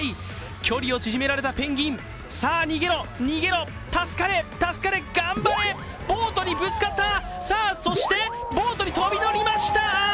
距離を縮められたペンギンさあ逃げろ、逃げろ、助かれ、助かれ頑張れ、ボートにぶつかった、さあそしてボートに飛び乗りました！